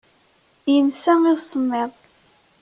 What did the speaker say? Yensa i usemmiḍ.